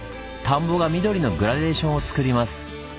田んぼが緑のグラデーションをつくります。